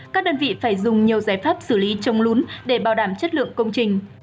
các đơn vị phải dùng nhiều giải pháp xử lý trông lún để bảo đảm chất lượng công trình